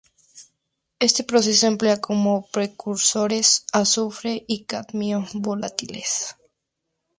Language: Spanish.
Este proceso emplea como precursores azufre y cadmio volátiles.